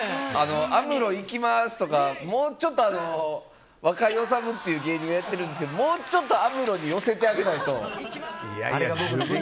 アムロいきまーす！とか若井おさむっていう芸人がやってるんですけどもうちょっとアムロに寄せてあげないと。